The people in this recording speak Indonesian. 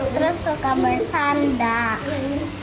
terus suka bersandak